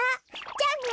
じゃあね。